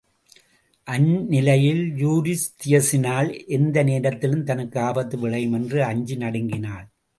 அந்நிலையில் யூரிஸ்தியஸினால் எந்த நேரத்திலும் தனக்கு ஆபத்து விளையுமென்று அஞ்சி நடுங்கினான்.